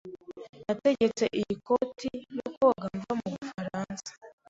Nategetse iyi koti yo koga mva mubufaransa.